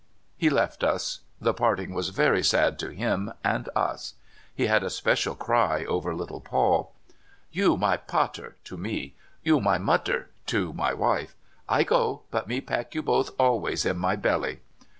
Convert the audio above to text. He left us. The parting was very sad to him and us. He had a special cry over Httle Paul. "You my pather [to me]; you my mother [to my wife] ; I go, but me pack you both always in my belly!"